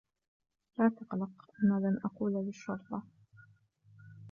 لا تقلق. أنا لن أقول للشرطة.